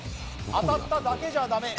当たっただけじゃダメ